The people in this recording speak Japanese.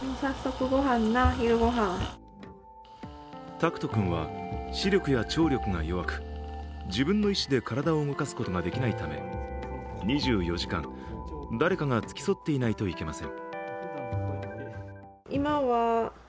拓人君は視力や聴力が弱く自分の意思で体を動かすことができないため、２４時間、誰かが付き添っていないといけません。